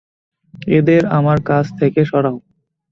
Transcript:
এদের আমার কাছ থেকে সরাও!